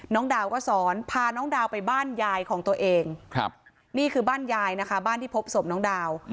ดาวก็สอนพาน้องดาวไปบ้านยายของตัวเองนี่คือบ้านยายนะคะบ้านที่พบศพน้องดาว